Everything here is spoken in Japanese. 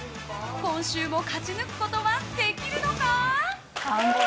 今週も勝ち抜くことはできるのか。